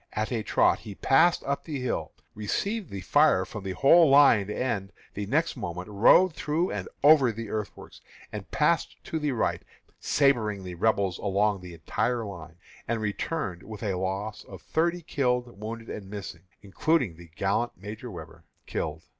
At a trot he passed up the hill, received the fire from the whole line, and the next moment rode through and over the earthworks, and passed to the right, sabring the Rebels along the entire line, and returned with a loss of thirty killed, wounded, and missing, including the gallant Major Webber, killed.